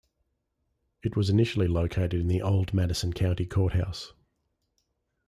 It was initially located in the old Madison County Courthouse.